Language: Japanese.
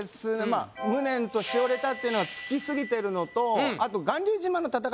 まぁ「無念」と「しおれた」ってのがつき過ぎてるのとあと。